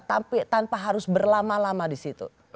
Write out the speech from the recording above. tapi tanpa harus berlama lama di situ